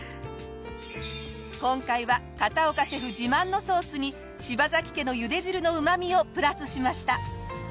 今回は片岡シェフ自慢のソースに柴崎家の茹で汁のうま味をプラスしました。